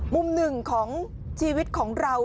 มุมหนึ่งของชีวิตของเรา